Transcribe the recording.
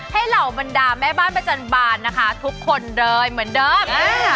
เหล่าบรรดาแม่บ้านประจันบาลนะคะทุกคนเลยเหมือนเดิม